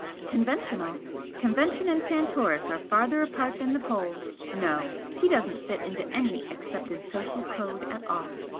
"Conventional! Convention and Santoris are farther apart than the poles! No he doesn't fit into any accepted social code at all.